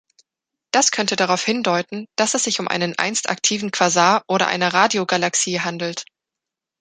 Das könnte darauf hindeuten, dass es sich um einen einst aktiven Quasar oder eine Radiogalaxie handelt.